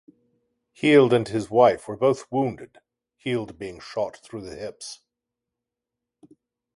Heald and his wife were both wounded, Heald being shot through the hips.